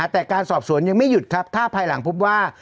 แต่การสอบสวนยังไม่หยุดครับถ้าภายหลังพบว่า